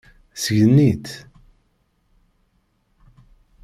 Sgen-itt.